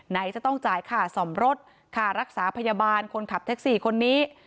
ไหนจะต้องจ่ายค่าซ่อมรถค่ารักษาพยาบาลคนขับแท็กซี่คนนี้